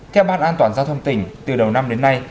theo ban an toàn giao thông tỉnh từ đầu năm đến nay